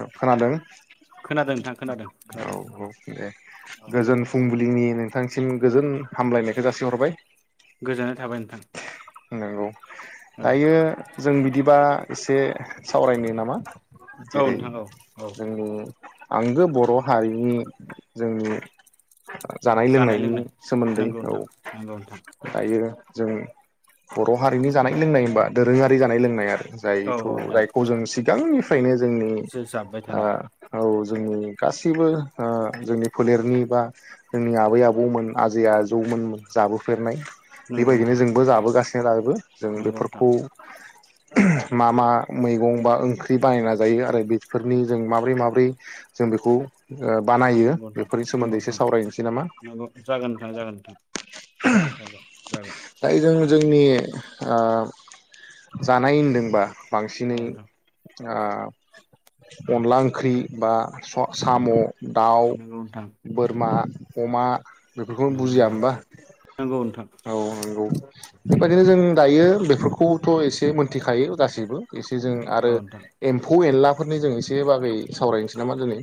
ओ खोनादों खोनादों नोंथां खोनादों औ खोनादों औ दे गोजोन फुंबिलिनि बिथांसिम गोजोन हामलायनायखौ जासिहरबाय गोजोननाय थाबाय नोंथां नोंगौ औ दायो जों बिदिबा एसे सावरायनो नामा औ जेरै नोंथां औ औ जोंनि आंगो बर' हारिनि जोंनि जानाय लोंनायनि सोमोन्दै नंगौ औ नोंथां नंगौ नोंथां दायो जोंनि बर' हारिनि जानाय लोंनाय होनबा दोरोङारि जानाय लोंनाय आरो औ जायथ' औ नोंथां जायखौ जों गांनिफ्रायनो जोंनि जे जाबबाय ओ थानाय औ जोंनि गासैबो ओ जोंनि फोलेरनि बा जोंनि आबै आबौमोन आजै आजौमोन [unintelligible] नोंगौ बेबायदिनो नोंथां [unintelligible] जों नंगौ नोंथां बेफोरखौ मा मा मैगं बा ओंख्रि बानायना जायो आरो बेफोरनि जों माबोरै माबोरै जों बेखौ बानायो नंगौ नोंथां बेफोरनि नंगौ सोमोन्दै एसे नोंथां सावरायनोसै नामा जागोन नोंथां जागोन नोंथां दाय जों जोंनि ओ जानाय होनदोंबा औ बांसिनै नोंथां आ अनला ओ ओं ख्रि बा सा-साम' दाउ नंगौ नोंथां बोरमा अमा बेफोरखौनो नंगौ बुजिया नोंथां होमबा नंगौ नोंथां औ नंगौ बेबायदिनो जों दायो बेफोरखौथ' एसे मोनथिखायो गासैबो। एसे जों औ आरो नोंथां एम्फौ एनला फोरनि जों एसे बागै सावरायनसै नामा दोनै।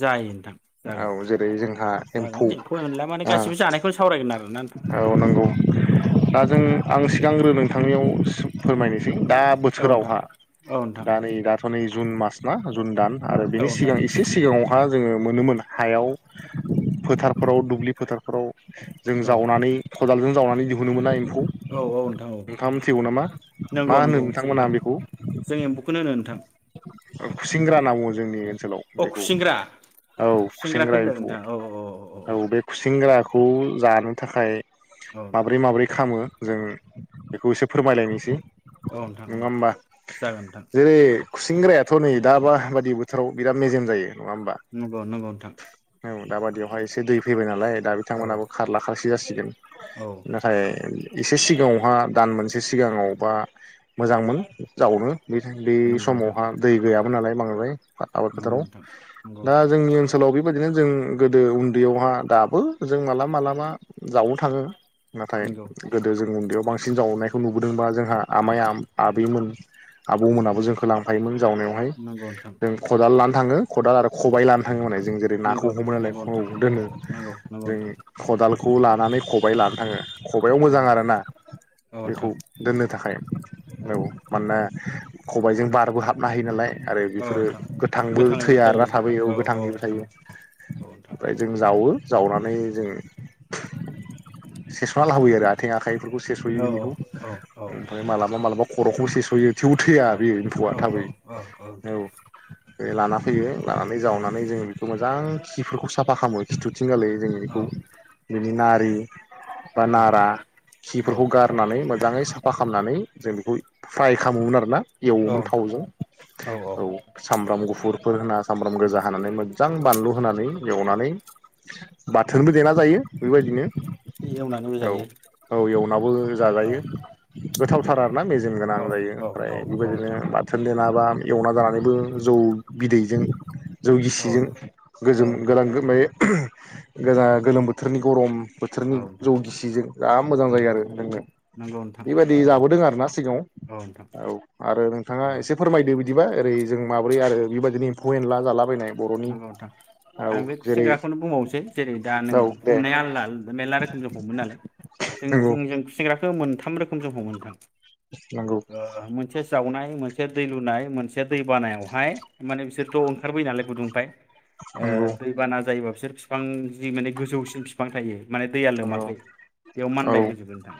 जायो नोंथां जागोन जेरै जोंहा एम्फौ जागोन एमफौ एनला माने गासिबो जानायखौ सावरायगोन आर औ नंगौ दा जों आं सिगांग्रो नोंथांनियाव सो फोरमायनो थिं दा औ नोंथां बोसोरावहा औ नोंथां दा नै दाथ' नै जुन मास ना जुन दान। आरो औ बिनि नोंथां सिगां एसे सिगाङावहा जोङो मोनोमोन हायाव फोथारफोराव दुब्लि फोथारफोराव जों औ जावनानै खदालजों जावनानै दिहुनोमोन ना इ औ औ नोंथां औ मा नोंगौ होनो नोंगौ मोनथिगौ नोंथांमोना नोंथां बेखौ जों एम्बु खौनो होनो नोंथां। ओ खुसिंग्रा होनना बुङो जोंनि सोलाव अ बेखौ खुसेंग्रा औ खुसेंग्राखौ खुसेंग्रा एम्फौ होनदों नोंथां औ औ बे खुसेंग्राखौ जा नो थाखाय औ नोंथां माब्रै माब्रै खामो जों बेखौ एसे फोरमायलायनिसै औ नोंथां औ जागोन नोंथां। खुसिंग्रायाथ' नै दा बा बादि बोथोराव बिराद मेजेम जायो। नङा होमबा नंगौ नंगौ नोंथां। औ दाबादियावहाय एसे दै फैबाय नालाय दा औ बिथांमोनहाबो खारला सि जासिगोन। औ नाथाय एसे सिगाङावहा दान मोनसे सिगाङावबा मोजांमोन जावनो बे बे नंगौ नोंथां समावहा दै गैया मोनालाय बांद्राय। बा आबाद नंगौ फोथाराव दा नोंथां जोंनि ओनसोलाव बि बायदिनो जों गोदो उन्दैयावहा दाबो जों मालाबा मालाबा जावनो थाङो। नाथाय नंगौ गोदो जों बेयाव बांसिन जावनायखौ नुबोदोंबा जोंहा आमाइ आदैमोन आबौमोनाबो जोंखौ लांफायोमोन जावनायावहाय नोंथां नंगौ नोंथां जों खदाल ला थाङो खदाल आरो खबाइ लानो थाङो माने जों जेरै नाखौ नंगौ हमो नालाय नंगौ ख नोंथां दोनो नंगौ नंगौ जों नोंथां खदाल खौ लानानै खबाय लानो थाङो खबायाव मोजां नंगौ आरोना औ बेखौ नोंथां दोननो थाखाय औ मानना खबायजों बारबो हाबनो हायो नालाय आरो औ बेफोरो नोंथां गोथांबो गोथाङैबो थैया आरना थायो थाबोयो औ गोथाङैबो नोंथां थायो औ औ नोंथां ओमफ्राय जों जावो जावनानै जों सेस'ना लाबोयो आरो आथें आखाइ फोरखौ सेेस'यो औ बिनिखौ औ औ नोंथां ओमफाय मालाबा मालाबा खर'खौ सेस'यो थेवबो थैया औ बे एम्फौआ औ थाबै औ औ औ नोंथां बे लाना फैयो लानानै औ जावनानै जों मोजां खिफोरखौ साफा खालामो खिथु बिथिंगालायै जोङो बेखौ नारि बा नारा नोंथां औ खिफोरखौ नोंथां गारनानै मोजाङै स साफा खालामनानै जों बेखौ फ्राय खालामोमोन आरो ना औ एवोमोन नोंथां थावजों औ सामब्राम गु फुरफोर होना सामब्राम गोजा हानानै मोजां बानलु होनानै एवनानै बाथोनबो देना जायो बेबायदिनो एवनानैबो औ जायो औ एवनाबो औ जाजायो औ गोथावथार नोंथां आरोना मेजेम गोनां औ जायो औ ओमफ्राय औ औ बेबायदिनो नोंथां बाथोननि ना ए एवना जानानैबो जौ बिदैजों जौ औ गिसिजों नोंथां औ गोजोम [unintelligible] नोंथां गोजा गोलोम बोथोर बोथोरनि गरम बोथोरनि औ नोंथां जौ गिसिजों जा मोजां जायो नंगौ आरो लोंनो नंगौ नोंथां बेबायदि नंगौ जाबोदों आरो ना सिगाङाव औ नोंथां औ आरो नोंथाङा औ एसे फोरमायदो बिदिबा ओरै जों माबोरै आरो बेबायदिनो एम्फौ एनला जालाबायनाय बर'नि नगौ नोंथां औ आं बे जेरै खुसेंग्राखौनो बुंबावनोसै जेरै दा नों औ दे हमनाया आलदा आलदा मेरला रोखोम जों हममोनोन नंगौ नालाय। मोनथाम रोखोम जों हमो नोंथां। नंगौ ओ मोनसे जावनाय मोनसे दै लुनाय मोनसे दै बानायावहाय माने बिसोरथ' ओंखारबोयो नालाय गुदुं। फाय ओ नंगौ दैबाना जायोबा। बिसोर बिफां जि माने गोजौसिन बिफां थायो। माने दैया नंगौ लोमाखै बेयाव औ मानबायबोजगोन नोंथां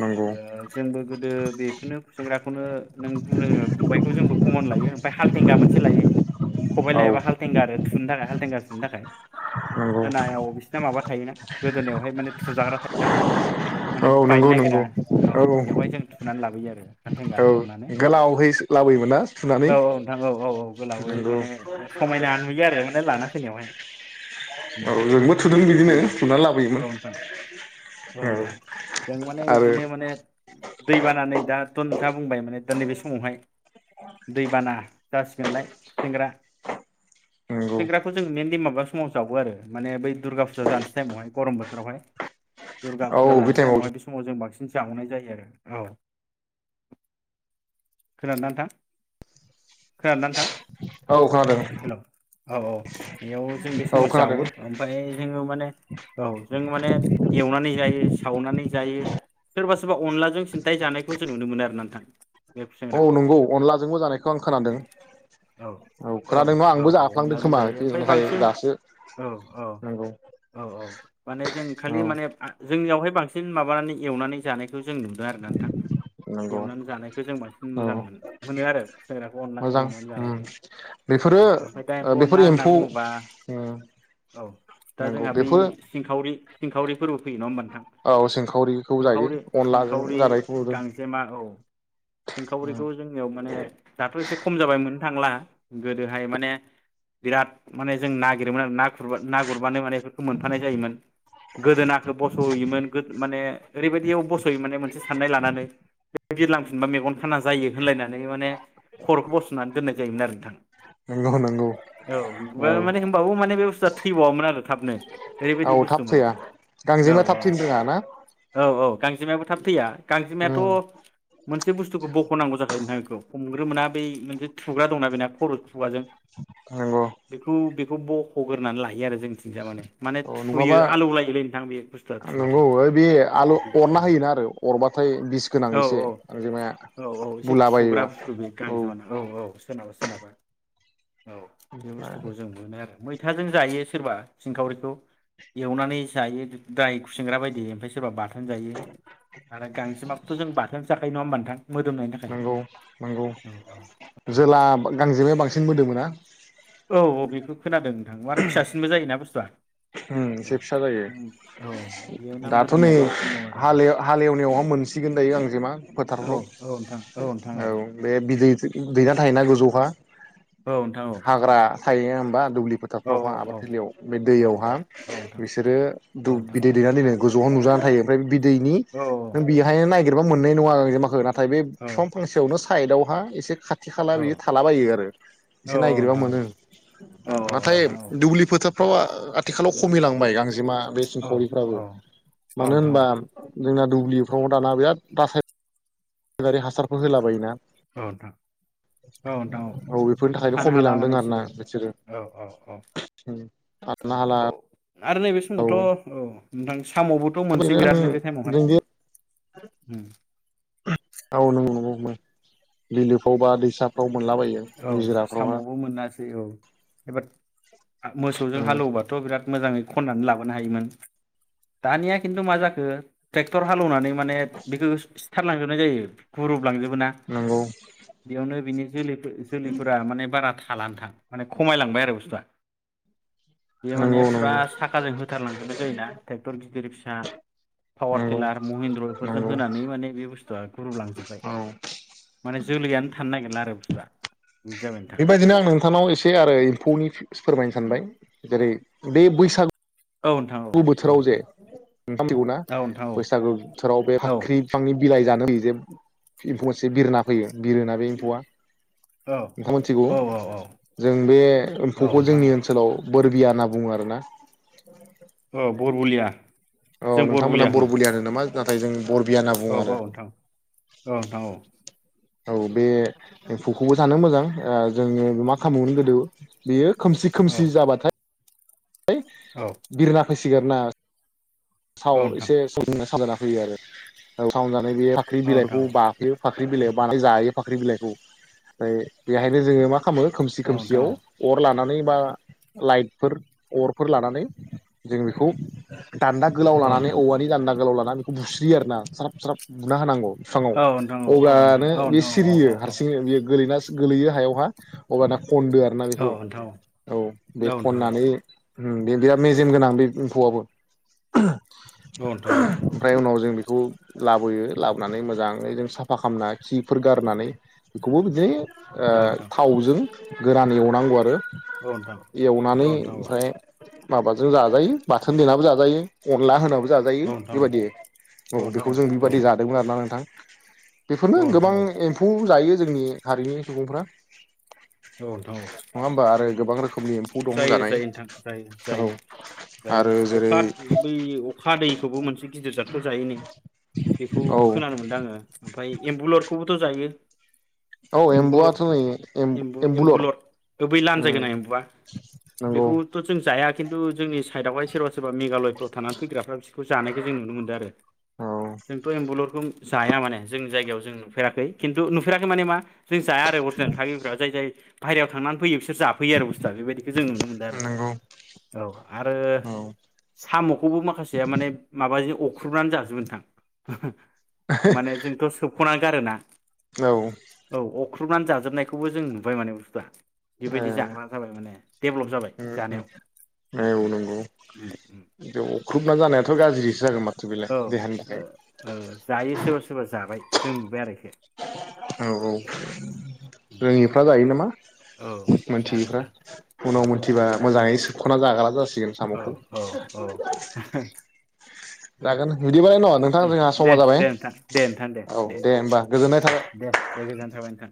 नंगौ ओ जोंबो गोदो बेखौनो। खुसेंग्राखौनो नों खबाइखौ जोंबो कमन लायो ओमफ्राय हालथेंगा मोनसे लायो। खबाइ औ लायोबा हालथेंगा आरो थुनो थाखाय हालदेंगा थुनो थाखाय। नंगौ गोदोनायाव बिसिना माबा थायोना गोदोनायावहाय माने थुजाग्रा थायोना। माने औ बायनो नंगौ नागिरा नंगौ औ बेवहाय जों थुनानै लाबोयो आरो हालथेंगा औ खालामनानै गोलावहै लाबोयोमोन ना औ थुनानै औ नोंथां औ औ औ गोलावै नंगौ माने समायना नुयो आरो माने लाना फैनायावहाय [unintelligible] औ जोंबो थुदों बेखौ बिदिनो जों थुनानै औ लाबोयोमोन नोंथां औ जों माने आरो बिदिनो माने दैबाना नै दाथ' नोंथाङा बुंबाय माने दा नैबे समावहाय दैबाना जासिगोनलाय खुसेंग्रा नंगौ सेंग्राखौ जों मेनलि माबा समाव जावो आरो माने बै दुरगा फुजा जानोसै टाइमहाय गरम खारबाय दुरगा औ फुजा बे जानोसै टाइमाव हाय बे समाव जों बांसिन। जावनाय जायो आरो औ खोनादोंना नोंथां। खोनादोंना नोंथां। औ खोनादों हेल' औ औ बेयाव जों बे औ समाव खोनादों जावो ओमफ्राय जोङो माने औ जों माने एवनानै जायो सावनानै जायो सोरबा सोरबा अनलाजों सिन्थाय जानायखौ जों नुनो मोनो आरोना नोंथां। बे औ खुसेंग्राखौ नंगौ अनलाजोंबो जानायखौ आं खोनादों औ। औ खोनादों न' औ आंबो औ जाफ्लांदों अनलाजों खोमा जायो ओमफ्राय नाथाय बांसिन दासो औ औ नंगौ औ औ माने जों औ खालि माने। जोंनियावहाय बांसिन माबानानै एवनानै जानाय। खौ जों नुदों आरोना नोंथां नंगौ एवनानै जानायखौ जों बांसिन औ मोजां मोनो मोनो आरो खुसेंग्राखौ अनला मोजां एवनानै उम जानायखो औ बेफोरो ओमफ्राय दा ओ एम्फौ बेफोर अनला होनना बुङोबा उम औ दा नंगौ जोंहा बै बेफोर सिंखावरि सिंखावरि फोरबो फैयो नङा। होमबा नोंथां औ सिंखावरिखौ जायो सिंखावरि अनलाजों सिंखावरि जानायखौ नुदों गांजेमा औ उम सिंखावरिखौ जोंनियाव माने दाथ' एसे खम जाबाय मोन थांला गोदोहाय माने बिराद माने जों नागिरोमोन आरो ना गुरबा ना गुरबानो माने इफोरखो मोनफानाय जायोमोन। गोदोनाखो बस'होयोमोन माने ओरैबायदियाव बस'योमोन माने मोनसे साननाय लानानै बिरलांफिनबा मेगन खाना जायो होनलायनानै माने खर'खौ बथ'नानै दोननाय जायोमोन आरो नोंथां। औ नंगौ नंगौ औ बो माने होमबाबो माने बे बुस्थुवा थैबावामोन आरो। थाबनो ओरैबायदि औ थाब बुस्थुमोन थैया नौ गांजेमा थाब औ थैनो रोङा ना औ औ गांजेमायाबो थाब थैया गांजेमायाथ' उम मोनसे बुस्थुखौ बख'नांगौ जाखायो नोंथां इखौ हमग्रोमोना बै मोनसे थुग्रा दंना बेना खर'थ खुगाजों नंगौ बेखौ बे खौ बख'गोरनानै लायो आरो जोंथिंजा माने माने औ थुयो नङाबा आलौ लायोलै नोंथां बे बुस्थुआ नंगौ थुबाथाय ओइ बे आलु बिदि औ अरना होयोना आरो अरबाथाय बिस गोनां औ एसे औ गांजेमाया औ औ एसे थुग्रा बुलाबायोबा बुस्थु बे गांजेमा ना औ औ सोरनाबा सो सोरनाबा औ बे बुस्थुखौ जों मोनो आरो। मैथाजों जायो सोरबा सिंखावरिखौ एवनानै जायो द्राय खुसिंग्रा बायदि ओमफाय सोरबा बाथ थोन जायो नाथाइ गांजेमाखौथ' जों बाथोनसो जाखायो नङा होनबा नोंगौ नोंगौ औ औ औ जोला गांजेमाया बां सिन मोदोमो ना! औ औ बेफोर खोनादों नोंथां आरो फिसासिनबो जायोना बुस्थुआ। उम औ एसे फिसा जायो औ बेयो ना दाथ' नै मोदोमनाया बांसिन दं आरो हालेव हालेवनायावहा मोनसिगोन दायो गांजेमा औ औ नोंथां नोंथां फोथारफ्राव औ बे बि दैथो दैना थायोना गोजौ आवहा। औ नोंथां औ। थायो होमबा दुब्लि औ फोथारफ्रावहा आबाद औ थिलियाव बे औ दैयाव नोंथां हां औ नोंथां बिसोरो औ दुब नोंथां बिदै दैना दोनो। गोजौआव नुजाना थायो ओमफ्राय बिद दैनि औ नों बिहायनो नाय गेरबा मोननाय नङा गांजेमाखो ना थाय बे बिफां फांसेयावनो सा साइदावहा एसे खाथ थि खाला औ बियो थालाबायो आरो एसे औ नायगिरबा नोंथां मोनो ओ औ नाथाय नोंथां औ दुब्लि फोथा [unintelligible] थिखालाव खमिलांबाय गांजेमा बे औ सिंखावरिफ्राबो नोंथां औ मानो नोंथां होनबा जोंना दुब्लिफ्राव दाना बिराद रासाय नारि हासारफोर होला बायो ना औ नोंथां औ औ बेफोरनि थाखायनो थानो हाला खमिलांदों माने आरोना बिसोरो औ औ औ उम आरो नाला औ आरो नैबे समावथ' औ नोंथां साम'बोथ' मोनसै बेबायदिनो बिरादनो बे टाइमावहाय जोंदि उम। औ नंगौ नंगौ मो बिलोफ्राव बा दैसाफ्राव मोनलाबायो निजिराफ्रावहा दे औ एबार आ मोसौजों उम हालेवबाथ' बिराद मोजाङै खननानै लाबोनो हायोमोन दानिया खिन्थु मा जाखो ट्रेक्टर हाल एवनानै माने बिखो थार लांजोबनाय जायो गुरुब लांजोबो ना नंगौ बेयावनो बिनि जोलि फो जोलैफोरा माने बारा था लानथां माने खमायलांबाय आरो बुस्थुआ। बेयो माने नंगौ फुरा नंगौ साखाजों होथारलांजोबनाय जायोना टेक्टर गिदिर फिसा पावार नंगौ टिलार महिन्द्र बेफोरजों नंगौ होनानै माने बे बुस थुआ ग्रुबलांजोब्बाय औ माने जोलैयानो थानो नागिरला आरो बुस्थुआ। बिदि जाबाय बेबायदिनो आं नोंथांनाव एसे आरो एम्फौनि फोरमायनो सानबाय जेरै बै बैसागु नोंथां गु औ बोथोराव जे [inaudible] गौना नोंथां औ नोंथां औ बैसागु बोथोराव बे फाख्रि औ बिफांनि बिलाइ जानो फैयो जे एम्फौ मोनसे बिरा फैयो बिरोना बे एम्फौआ औ नोंथां मोनथिगौ औ औ जों बे औ एम्फौखौ नोंथां जोंनि औ ओनसोलाव बोरबिया होनना बुङो आरोना। औ बरबलिया औ नोंथांमोनहा बरबुलिया होनो नामा नाथाय जों बरबिया होनना बुङो औ औ आरो नोंथां औ नोंथां औ। औ बे एम्फौखौबो जानो मोजां ओ जोङो मा खालामोमोन गोदो बेयो खोमसि औ खोमसि जाबाथाय औ बिरला फैसि ना साव नोंथां एसे सनो [unintelligible] [unintelligible] बे फाख्रि औ नोंथां बिलाइखौ औ बा [unintelligible] फाख्रि बिलाइआव बानाय जायो फाख्रि बिलाइखौ ओमफ्राय बेहायनो जोङो मा खालामो। खोमसि औ नोंथां खोमसियाव औ अर लानानै बा लाइटफोर अरफोर लानानै जों बेखौ दान्दा गोलाव औ लानानै औवानि दान्दा गोलाव लानानै बा बेखौ बुस्रियो आरो ना स्राब स्राब बुना होनांगौ। बिफाङाव नोंथां औ नोंथां औ अगानो नोंथां औ नोंथां औ बेयो सिरियो हारसिङै बेयो गोलैना गोलैयो हायावहा अब्लाना खनदो आरो ना बेखौ औ बे नोंथां औ नोंथां औ नोंथां औ खननानै [unintelligible] मेजेम गोनां बे एम्फौआबो औ ओमफ्राय उनाव जों बेखौ लाबोयो लाबोनानै मोजाङै जों साफा खालामना खिफोर गारनानै बेखौबो बिदिनो ओ नोंथां थावजों गोरानै एवनांगौ आरो। एवनानै औ नोंथां औ नोंथां औ नोंथां औ नोंथां औ नोंथां औ नोंथां औ ओमफ्राय माबाजों जाजायो बाथोन देनाबो जाजायो अनला होनाबो। जाजायो बेबायदि औ बेखौ जों बेबायदि जादोंमोन आरोना नोंथां। बेफोरनो गोबां एम्फौ जायो। जोंनि हारिनि सुबुंफ्रा औ नोंथां औ। नङा होमबा आरो गोबां रोखोम रोखोमनि एम्फौ दं जानाय। जायो औ आरो जायो जेरै अखा बै अखा। दैखौबो मोनसे गिदिर जाथखौ जायो नों बेखौ औ खोनानो मोन्दों आङो ओमफ्राय एम्बुलरखौबो। जायो। औ एम्बुलर एम्बुवाथ नै एम्बुलर बै लानजाय गोनां एम्बुआ नंगौ बेखौथ' जोंं जायो हाया खिन्थु जोंनि साइडआवहाय सोरबा सोरबा मेघालयफ्राव थानानै फैग्राफ्रा बिसोरखौ जानायखौ जों नुनो मोनदों आरो औ जोंथ' एम्बुलुरखौ जाया माने जोंनि जायगायाव जों नुफेराखै खिन्थु नुफेराखै माने मा जों जाया आरो अरजिनेल थागिफ्रा जाय जाय बाहेरायाव थांनानै फयो बिसोर जाफैयो आरो बुस्थुआ बेबायदि जों नुनो मोनदों आरो नंगौ औ आरो औ साम'खौबो माखासेया माने माबाजों अख्रुबनानै जाजोबो नोंथां माने जोंथ' सोबनानै खना गारोना औ औ अ अरख्रुबनानै जाजोबनायखौबो जों नुबाय माने बुसथुआ बेबायदि जाग्रा जाबाय माने जाबाय उम जानायाव उम आयौ उम, नंगौ उम, उम। बिदियाव ख्रुबनानै जानायाथ' गाज्रिसो जागोन मा औ जायो ओ सोरबा सोरबा जाबाय जों नुबाय आरोखि औ औ रोङिफ्रा जायो नामा औ मोनथियैफ्रा जागोनदां औ उनाव मोनथिबा मोजाङै सो ख'ना जाग्रा जासै गोन औ साम'खौ औ औ जागोन बिदिबालाय न' नोंथां दे जोंहा दे समा जाबाय दे नोंथां दे नोंथां दे औ दे होमबा गोजोननाय दे थाबाय दे दे गोजोनथों थाबाय नोंथां